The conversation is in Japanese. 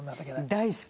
大好き。